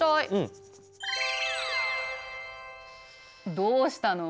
どうしたの？